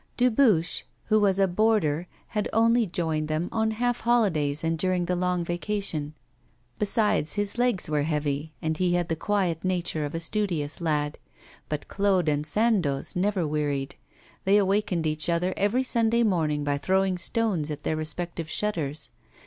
Dubuche, who was a boarder, had only joined them on half holidays and during the long vacation. Besides, his legs were heavy, and he had the quiet nature of a studious lad. But Claude and Sandoz never wearied; they awakened each other every Sunday morning by throwing stones at their respective shutters.